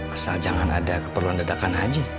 asal jangan ada keperluan dedakan haji